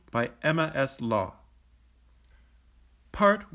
BY EMMA B. LAW PART I.